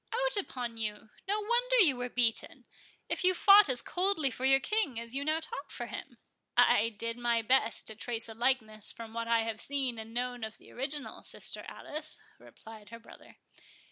—Out upon you!—no wonder you were beaten, if you fought as coldly for your King as you now talk for him." "I did my best to trace a likeness from what I have seen and known of the original, sister Alice," replied her brother.